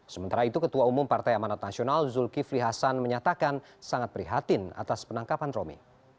sementara itu ketua umum partai amanat nasional zulkifli hasan menyatakan sangat prihatin atas penangkapan romi